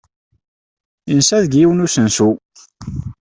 Yensa deg yiwen n usensu.